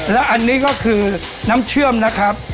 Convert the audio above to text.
แล้วอันนี้ก็คือน้ำเชื่อมนะครับ